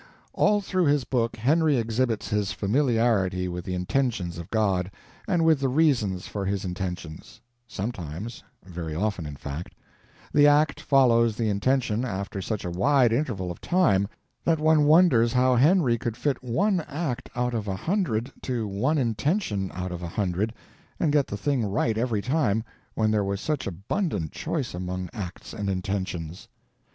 All through his book Henry exhibits his familiarity with the intentions of God, and with the reasons for his intentions. Sometimes—very often, in fact—the act follows the intention after such a wide interval of time that one wonders how Henry could fit one act out of a hundred to one intention out of a hundred and get the thing right every time when there was such abundant choice among acts and intentions.